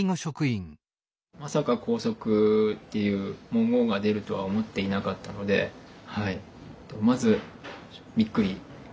まさか拘束っていう文言が出るとは思っていなかったのでまずびっくり。